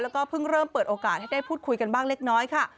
แล้วก็เพิ่งเริ่มเปิดโอกาสให้ได้พูดคุยกันบ้างเล็กน้อยค่ะ